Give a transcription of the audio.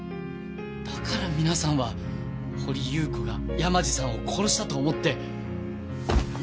だから皆さんは掘祐子が山路さんを殺したと思って。